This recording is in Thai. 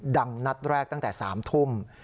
นัดแรกตั้งแต่๓ทุ่ม